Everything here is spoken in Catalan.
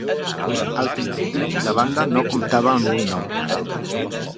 Al principi la banda no comptava amb un nom.